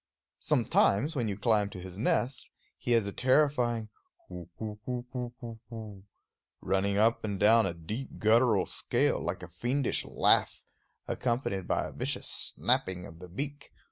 Sometimes, when you climb to his nest, he has a terrifying hoo hoo hoo hoo hoo hoo, running up and down a deep guttural scale, like a fiendish laugh, accompanied by a vicious snapping of the beak.